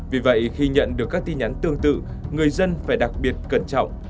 vì vậy khi nhận được các tin nhắn tương tự người dân phải đặc biệt cẩn trọng